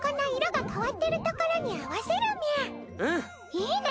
いいね！